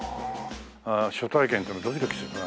ああ初体験っていうのはドキドキするね